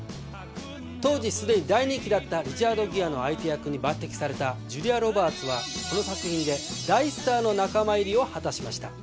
当時すでに大人気だったリチャード・ギアの相手役に抜擢されたジュリア・ロバーツはこの作品で大スターの仲間入りを果たしました。